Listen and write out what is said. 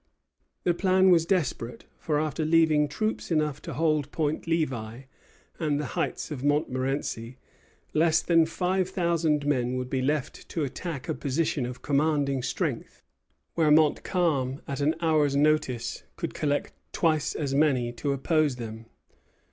The plan was desperate; for, after leaving troops enough to hold Point Levi and the heights of Montmorenci, less than five thousand men would be left to attack a position of commanding strength, where Montcalm at an hour's notice could collect twice as many to oppose them.